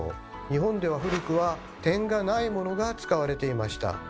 日本では古くは点がないものが使われていました。